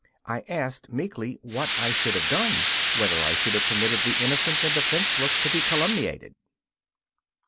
I asked, meekly, what I should have done whether I should have permitted the innocent and defenceless to be calumniated.